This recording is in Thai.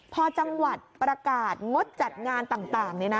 พอจังหวัดประกาศงดจัดงานต่าง